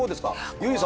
ユージさん